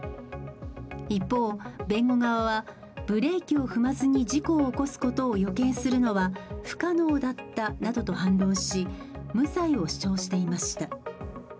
一方、弁護側はブレーキを踏まずに事故を起こすことを予見するのは不可能だったなどと反論し無罪を主張していました。